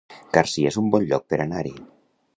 Garcia es un bon lloc per anar-hi